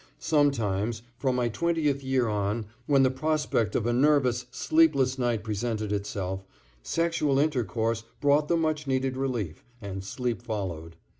Sometimes, from my twentieth year on, when the prospect of a nervous, sleepless night presented itself, sexual intercourse brought the much needed relief, and sleep followed.